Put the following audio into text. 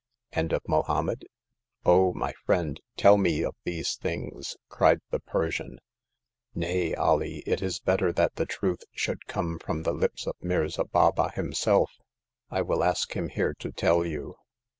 And of Mohommed ? Oh, my friend, tell me of these things !" cried the Persian. Nay, Alee ; it is better that the truth should come from the lips of Mirza Baba himself. I will ask him here to tell you.